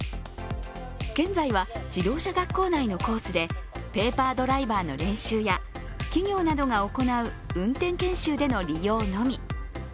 現在は自動車学校内のコースでペーパードライバーの練習や企業などが行う運転研修での利用のみ。